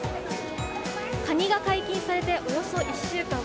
カニが解禁されておよそ１週間。